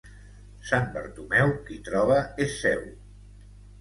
Sant Bartomeu, qui troba és seu.